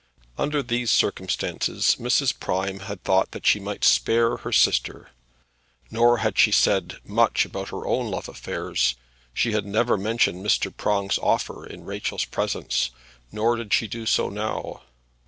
Under these circumstances Mrs. Prime had thought that she might spare her sister. Nor had she said much about her own love affairs. She had never mentioned Mr. Prong's offer in Rachel's presence; nor did she do so now.